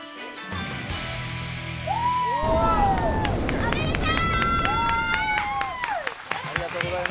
おめでとう！